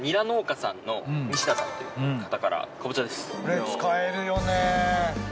それ使えるよね。